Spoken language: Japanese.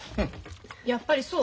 やっぱりそう？